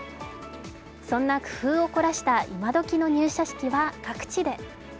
そんな工夫を凝らした今どきの入社式は各地で。